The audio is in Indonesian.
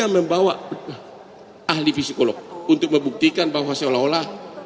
saya membawa ahli psikolog untuk membuktikan bahwa seolah olah